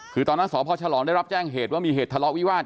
คือตอนนั้นสพฉลองได้รับแจ้งเหตุว่ามีเหตุทะเลาะวิวาส